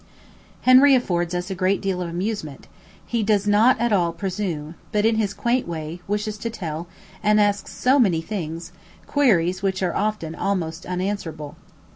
Henry affords us a great deal of amusement; he does not at all presume, but, in his quaint way, wishes to tell, and asks so many things, queries which often are almost unanswerable.